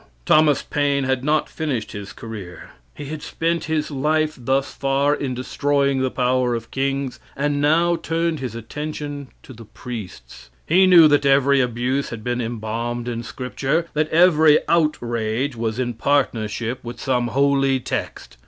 Thomas Paine had not finished his career. He had spent his life thus far in destroying the power of kings, and now turned his attention to the priests. He knew that every abuse had been embalmed in scripture that every outrage was in partnership with some holy text.